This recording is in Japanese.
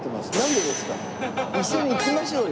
一緒に行きましょうよ。